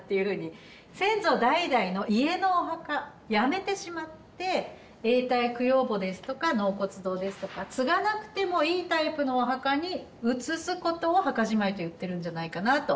先祖代々の家のお墓やめてしまって永代供養墓ですとか納骨堂ですとか継がなくてもいいタイプのお墓に移すことを墓じまいと言ってるんじゃないかなと。